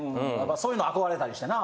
そういうの憧れたりしてな。